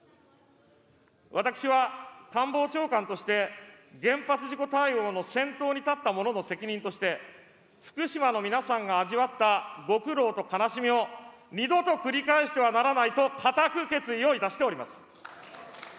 私は官房長官として、原発事故対応の先頭に立ったものの責任として、福島の皆さんが味わったご苦労と悲しみを二度と繰り返してはならないと、固く決意をいたしております。